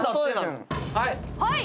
はい！